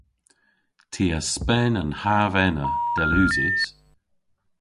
Ty a spen an hav ena dell usys.